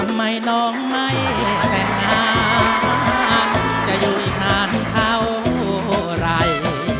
ทำไมน้องไม่แต่งงานจะอยู่อีกนานเท่าไหร่